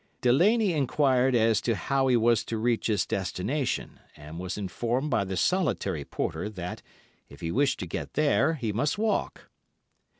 "Delaney enquired as to how he was to reach his destination, and was informed by the solitary porter that, if he wished to get there, he must walk.